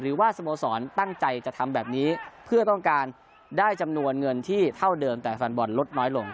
สโมสรตั้งใจจะทำแบบนี้เพื่อต้องการได้จำนวนเงินที่เท่าเดิมแต่แฟนบอลลดน้อยลง